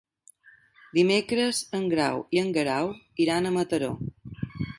Dimecres en Grau i en Guerau iran a Mataró.